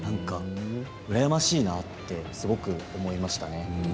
羨ましいなってすごく思いました。